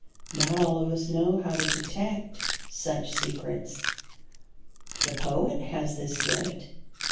Not all of us know how to detect such secrets. The poet has this gift.